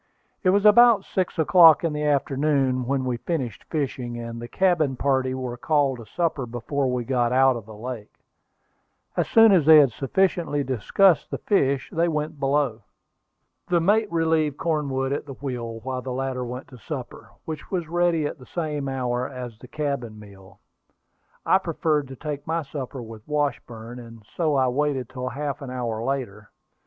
It was about six o'clock in the afternoon when we finished fishing, and the cabin party were called to supper before we got out of the lake. As soon as they had sufficiently discussed the fish, they went below. The mate relieved Cornwood at the wheel while the latter went to supper, which was ready at the same hour as the cabin meal. I preferred to take my supper with Washburn, and so I waited till half an hour later.